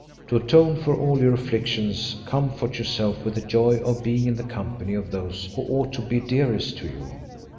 To atone for all your afflictions, comfort yourself with the joy of being in the company of those who ought to be dearest to you.